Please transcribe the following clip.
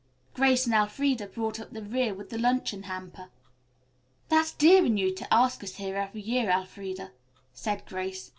Grace and Elfreda brought up the rear with the luncheon hamper. "That's dear in you to ask us here every year, Elfreda," said Grace.